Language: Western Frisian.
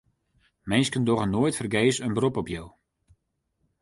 Minsken dogge noait fergees in berop op jo.